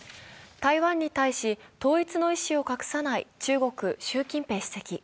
台湾に対し統一意思を隠さない中国・習近平主席。